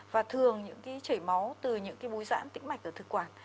và thường những cái chảy máu từ những cái búi dãn tĩnh mạch ở thực quản